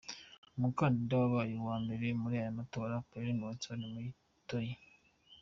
Umukandida wabaye uwa mbere muri aya amatora, Pelomi Vensoni-Moyitoyi.